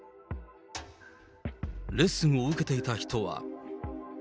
レッスンを受けていた人は。